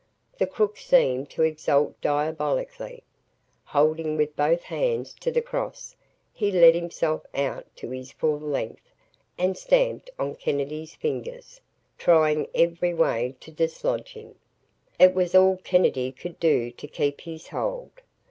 The crook seemed to exult diabolically. Holding with both hands to the cross, he let himself out to his full length and stamped on Kennedy's fingers, trying every way to dislodge him. It was all Kennedy could do to keep his hold.